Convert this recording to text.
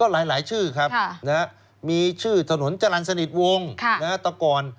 หลายชื่อครับมีชื่อถนนจรรย์สนิทวงแต่ก่อน